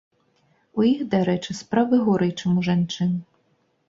У іх, дарэчы, справы горай, чым у жанчын.